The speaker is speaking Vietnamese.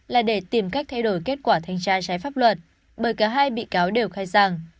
là để tìm cách thay đổi kết quả thanh tra trái pháp luật bởi cả hai bị cáo đều khai giảng